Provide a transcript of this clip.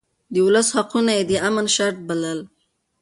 د ولس حقونه يې د امن شرط بلل.